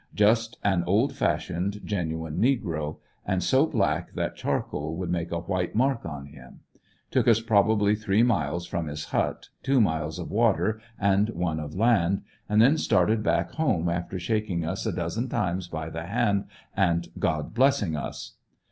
Just an old fashioned, genuine negro, and so black that charcoal would make a white mark on him. Took us probably three miles from his hut, two miles of water and one of land, and then started back home after shaking us a dozen times by the hand, and "God blessing us."